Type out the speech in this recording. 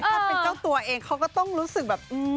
ถ้าเป็นเจ้าตัวเองเขาก็ต้องรู้สึกแบบ